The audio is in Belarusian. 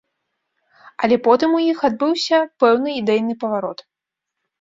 Але потым у іх адбыўся пэўны ідэйны паварот.